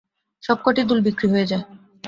সব কটি দুল বিক্রি হয়ে যায়।